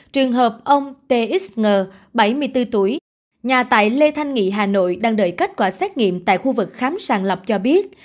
trường hợp ông t x ngờ bảy mươi bốn tuổi nhà tại lê thanh nghị hà nội đang đợi kết quả xét nghiệm tại khu vực khám sàng lập cho biết